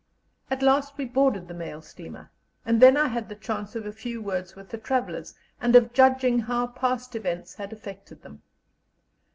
At last we boarded the mail steamer, and then I had the chance of a few words with the travellers, and of judging how past events had affected them.